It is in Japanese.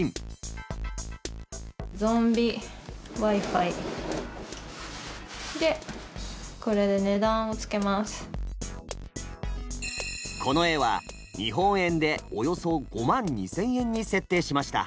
早速この絵は日本円でおよそ５万２，０００円に設定しました。